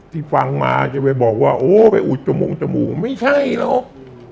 ที่ฟังมาจะไปบอกว่าโอ้ไปอุดจมูกจมูกไม่ใช่หรอก